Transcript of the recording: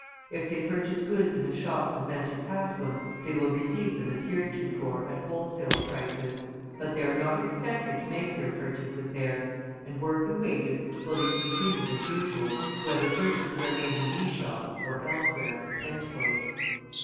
If they purchase goods in the shops of Messrs. Haslam they will receive them as heretofore at wholesale prices, but they are not expected to make their purchases there, and work and wages will be continued as usual whether purchases are made in these shops or elsewhere."